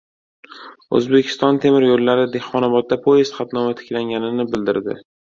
«O‘zbekiston temir yo‘llari» Dehqonobodda poyezd qatnovi tiklanganini bildirdi